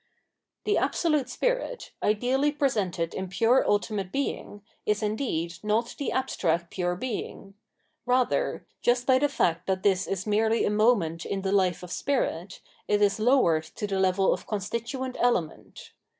The Absolute Spirit, ideally presented in pure ultimate Being, is indeed not the abstract pme Being ; rather, just by the fact that this is merely a moment in the life of Spirit, it is lowered to the level of con stituent element.